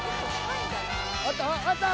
あった？